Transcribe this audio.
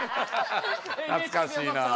懐かしいな。